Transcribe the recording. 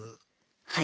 はい。